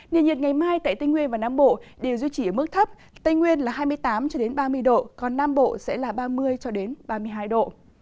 nền nhiệt ngày mai tại tây nguyên và nam bộ đều duy trì ở mức thấp tây nguyên là hai mươi tám ba mươi độ còn nam bộ sẽ là ba mươi ba mươi hai độ